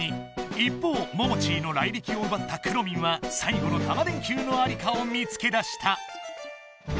一方モモチーの雷リキをうばったくろミンは最後のタマ電Ｑのありかを見つけだした！